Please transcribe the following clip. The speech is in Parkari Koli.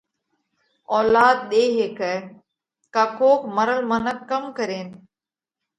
اولاڌ ۮي هيڪئه؟ ڪا ڪوڪ مرل منک ڪم ڪرينَ